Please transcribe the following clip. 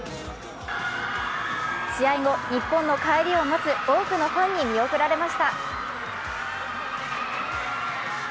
試合後、日本の帰りを待つ多くのファンに見送られました。